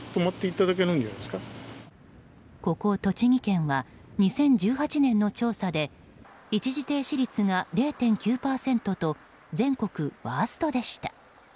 ここ栃木県は２０１８年の調査で一時停止率が０．９％と全国ワーストでした。